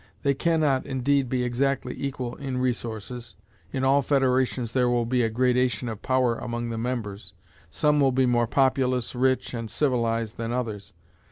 They can not, indeed, be exactly equal in resources; in all federations there will be a gradation of power among the members; some will be more populous, rich, and civilized than others.